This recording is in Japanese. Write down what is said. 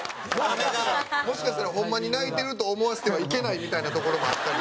もしかしたらホンマに泣いてると思わせてはいけないみたいなところもあったり。